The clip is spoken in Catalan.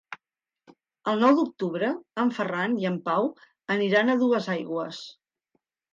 El nou d'octubre en Ferran i en Pau aniran a Duesaigües.